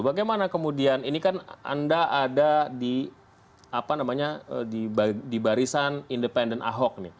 bagaimana kemudian ini kan anda ada di barisan independen ahok